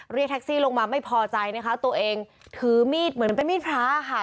เรียกแท็กซี่ลงมาไม่พอใจนะคะตัวเองถือมีดเหมือนเป็นมีดพระค่ะ